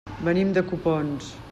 Venim de Copons.